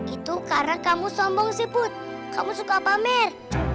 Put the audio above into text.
itu karena kamu sombong sih put kamu suka pamer